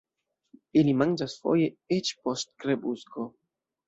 Ili manĝas foje eĉ post krepusko.